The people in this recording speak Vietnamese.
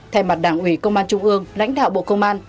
thay mặt đảng ủy công an trung ương lãnh đạo bộ công an